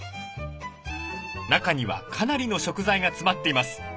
中にはかなりの食材が詰まっています。